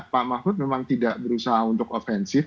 pak mahfud memang tidak berusaha untuk ofensif